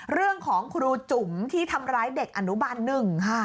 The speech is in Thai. เรื่องของครูจุ๋มที่ทำร้ายเด็กอนุบันหนึ่งค่ะ